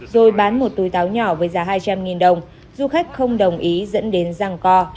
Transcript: rồi bán một túi táo nhỏ với giá hai trăm linh đồng du khách không đồng ý dẫn đến răng co